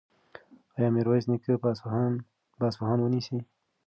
ایا میرویس نیکه به اصفهان ونیسي؟